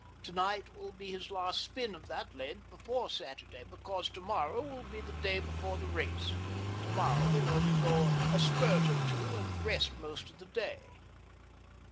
To night will be his last spin of that length before Saturday, because to morrow will be the day before the race. To morrow he'll only go a spurt or two, and rest most of the day."